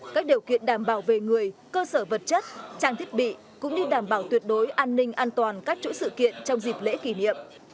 các điều kiện đảm bảo về người cơ sở vật chất trang thiết bị cũng như đảm bảo tuyệt đối an ninh an toàn các chỗ sự kiện trong dịp lễ kỷ niệm